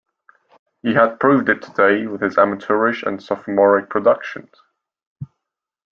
He had proved it today, with his amateurish and sophomoric productions.